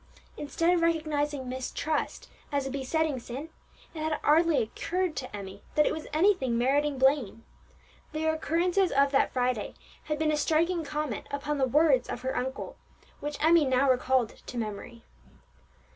Instead of recognizing mistrust as a besetting sin, it had hardly occurred to Emmie that it was anything meriting blame. The occurrences of that Friday had been a striking comment upon the words of her uncle, which Emmie now recalled to memory.